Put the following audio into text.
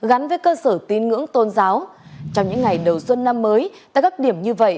ba di tích gắn với cơ sở tín ngưỡng tôn giáo trong những ngày đầu xuân năm mới tại các điểm như vậy